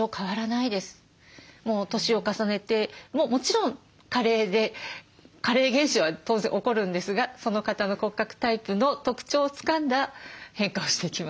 もう年を重ねてもちろん加齢で加齢現象は当然起こるんですがその方の骨格タイプの特徴をつかんだ変化をしていきます。